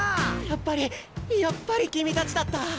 やっぱりやっぱり君たちだった。